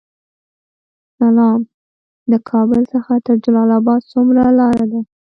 سلام، له کابل څخه تر جلال اباد څومره لاره ده؟